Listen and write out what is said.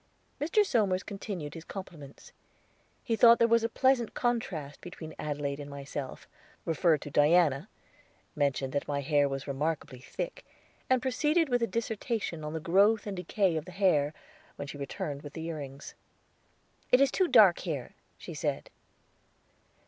Mr. Somers continued his compliments. He thought there was a pleasing contrast between Adelaide and myself, referred to Diana, mentioned that my hair was remarkably thick, and proceeded with a dissertation on the growth and decay of the hair, when she returned with the ear rings. "It is too dark here," she said.